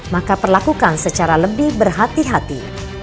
maka perlakukan secara lebih berhati hati